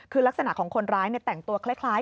คือลักษณะของคนร้ายแต่งตัวคล้าย